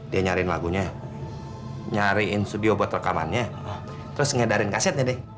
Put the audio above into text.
dia nyariin lagunya nyariin studio buat rekamannya terus ngedarin kasetnya deh